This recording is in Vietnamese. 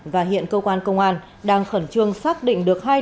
và hiện cơ quan công an đang khẩn trương xác định được hai đối tượng